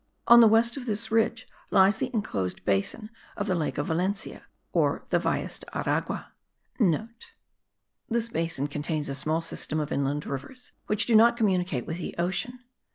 On the west of this ridge lies the enclosed basin* of the lake of Valencia or the Valles de Aragua (* This basin contains a small system of inland rivers which do not communicate with the ocean.